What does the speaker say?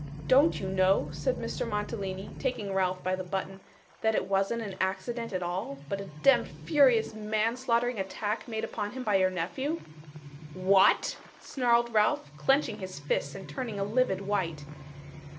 'Don't you know,' said Mr. Mantalini, taking Ralph by the button, 'that it wasn't an accident at all, but a demd, furious, manslaughtering attack made upon him by your nephew?' 'What!' snarled Ralph, clenching his fists and turning a livid white.